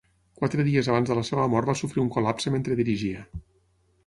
Quatre dies abans de la seva mort va sofrir un col·lapse mentre dirigia.